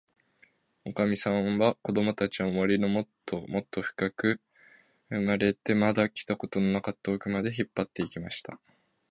おかみさんは、こどもたちを、森のもっともっとふかく、生まれてまだ来たことのなかったおくまで、引っぱって行きました。